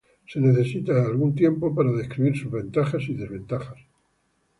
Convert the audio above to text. Se necesita algún tiempo para describir sus ventajas y desventajas.